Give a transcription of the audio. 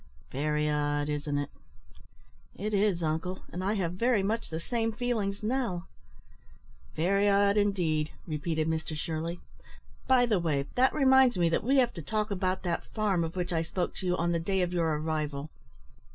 Very odd, isn't it?" "It is, uncle; and I have very much the same feelings now." "Very odd, indeed," repeated Mr Shirley. "By the way, that reminds me that we have to talk about that farm of which I spoke to you on the day of your arrival."